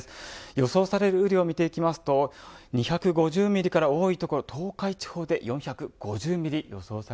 予想される雨量見ていきますと２５０ミリから多い所東海地方で４５０ミリ